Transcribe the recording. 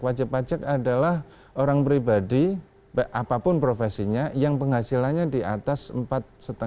wajib pajak adalah orang pribadi apapun profesinya yang penghasilannya di atas empat lima